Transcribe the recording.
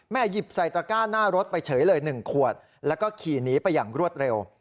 หยิบใส่ตระก้าหน้ารถไปเฉยเลย๑ขวดแล้วก็ขี่หนีไปอย่างรวดเร็ว